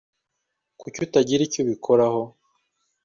Kuki utagira icyo ubikoraho?